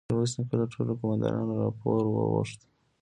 ميرويس نيکه له ټولو قوماندانانو راپور وغوښت.